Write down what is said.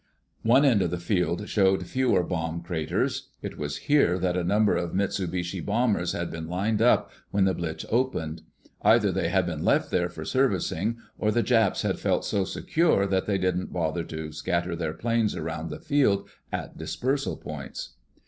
One end of the field showed fewer bomb craters. It was here that a number of Mitsubishi bombers had been lined up when the blitz opened. Either they had been left there for servicing, or the Japs had felt so secure that they didn't bother to scatter their planes around the field at dispersal points.